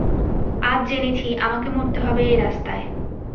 আজ জেনেছি আমাকে মরতে হবে এই রাস্তায়।